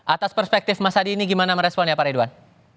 atas perspektif mas adi ini gimana merespon ya pak ridwan